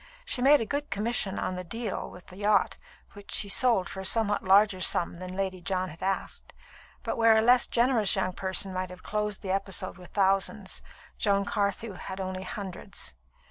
She made a good commission on the "deal" with the yacht, which she sold for a somewhat larger sum than Lady John had asked; but where a less generous young person might have closed the episode with thousands, Joan Carthew had only hundreds.